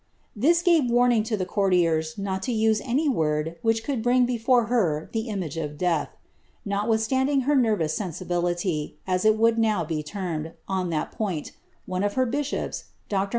This gave warning to the courtiers not to use any word which could bring before her the iniage of death.' Notwithstanding her nervous sensibility, as it would BOW be termed, on that point, one of her bishops. Dr.